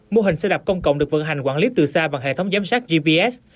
mô hình xe đạp công cộng được vận hành quản lý từ xa bằng hệ thống giám sát gps